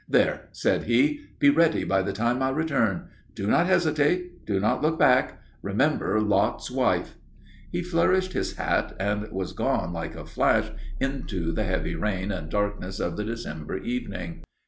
"There!" said he, "be ready by the time I return. Do not hesitate. Do not look back. Remember Lot's wife!" He flourished his hat and was gone like a flash into the heavy rain and darkness of the December evening.